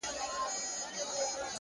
پوهه د فرصتونو شمېر زیاتوي!